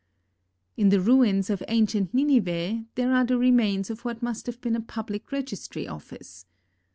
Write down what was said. In the ruins of ancient Nineveh, there are the remains of what must have been a public registry office.